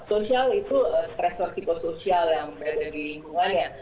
sosial itu resto psikosoial yang berada di lingkungannya